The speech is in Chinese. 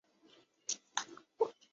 奥斯威辛是波兰小波兰省的一个镇。